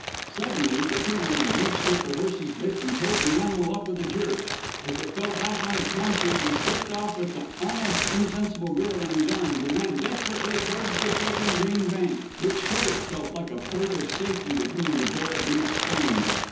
Suddenly the Colonel wrenched at the horse's bit and pulled the animal up with a jerk. As it fell back on its haunches he slipped off with the almost insensible girl in his arms and ran desperately towards the sloping green bank, which showed itself like a port of safety between the bare, bleak stones.